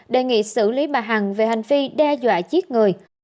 đề nghị xử lý bà hằng về hành vi đe dọa giết người